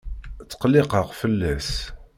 Tqelliqeɣ fell-as.